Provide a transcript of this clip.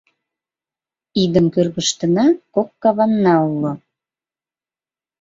Идым кӧргыштына кок каванна уло: